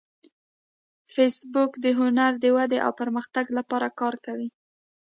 فېسبوک د هنر د ودې او پرمختګ لپاره کار کوي